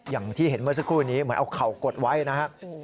อย่างที่เห็นเมื่อสักครู่นี้เหมือนเอาเข่ากดไว้นะครับ